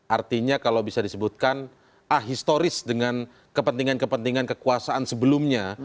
artinya kalau bisa disebutkan ahistoris dengan kepentingan kepentingan kekuasaan sebelumnya